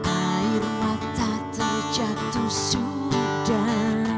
air mata terjatuh sudah